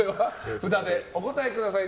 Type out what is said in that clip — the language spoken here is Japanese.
札でお答えください。